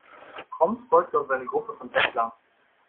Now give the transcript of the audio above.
Prompt folgte uns eine Gruppe von Bettlern.